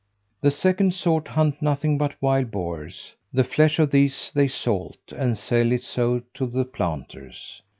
The second sort hunt nothing but wild boars; the flesh of these they salt, and sell it so to the planters.